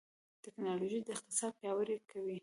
ټکنالوژي اقتصاد پیاوړی کوي.